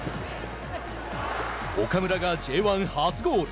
岡村がＪ１初ゴール。